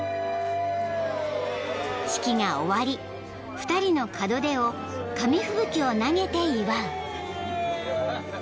［式が終わり２人の門出を紙吹雪を投げて祝う］